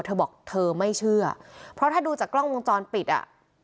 เธอบอกเธอไม่เชื่อเพราะถ้าดูจากกล้องวงจรปิดอ่ะ